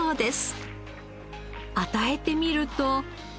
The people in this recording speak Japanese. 与えてみると。